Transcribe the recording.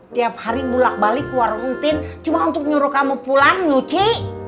tiap hari bulat balik warung rutin cuma untuk nyuruh kamu pulang nyuci